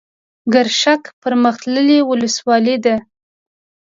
ګرشک پرمختللې ولسوالۍ ده.